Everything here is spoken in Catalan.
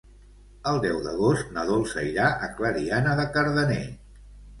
El deu d'agost na Dolça irà a Clariana de Cardener.